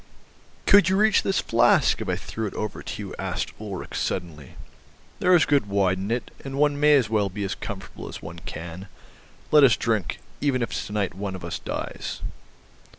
"Could you reach this flask if I threw it over to you?" asked Ulrich suddenly; "there is good wine in it, and one may as well be as comfortable as one can. Let us drink, even if to night one of us dies."